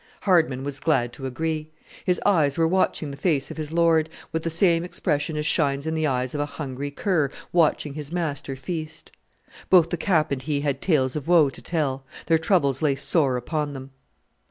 Hardman was glad to agree. His eyes were watching the face of his lord, with the same expression as shines in the eyes of a hungry cur watching his master feast. Both the Cap and he had tales of woe to tell: their troubles lay sore upon them.